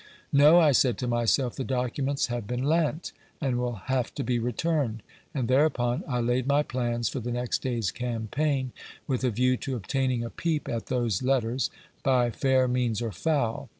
"No," I said to myself, "the documents have been lent, and will have to be returned;" and thereupon I laid my plans for the next day's campaign, with a view to obtaining a peep at those letters, by fair means or foul.